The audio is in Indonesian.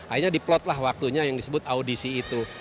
akhirnya diplot lah waktunya yang disebut audisi itu